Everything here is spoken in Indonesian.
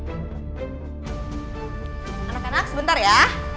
anak anak sebentar ya